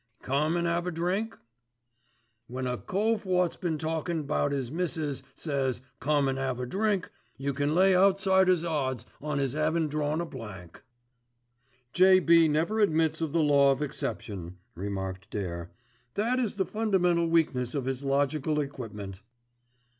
Come an' 'ave a drink?' "When a cove wot's been talkin' about 'is misses says, 'Come an' 'ave a drink,' you can lay outsider's odds on 'is 'avin' drawn a blank." "J.B. never admits of the law of exception," remarked Dare. "That is the fundamental weakness of his logical equipment."